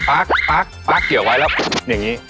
ปั๊กปั๊กเกี่ยวไว้แล้วอย่างนี้